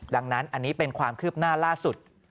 ดังนั้นอันนี้เป็นความคืบหน้าล่าสุด